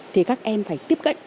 thì các em phải tiếp cận